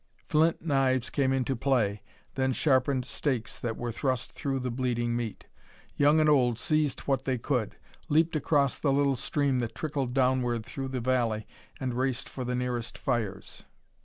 Flint knives came into play, then sharpened stakes that were thrust through the bleeding meat. Young and old seized what they could, leaped across the little stream that trickled downward through the valley, and raced for the nearest fires.